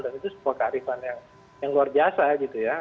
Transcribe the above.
dan itu sebuah kearifan yang luar biasa gitu ya